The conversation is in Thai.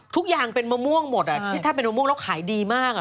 ทุกอย่างเป็นมะม่วงหมดที่ถ้าเป็นมะม่วงแล้วขายดีมาก